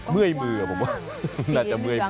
เมื่อยมือผมว่าน่าจะเมื่อย